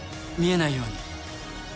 見えないように。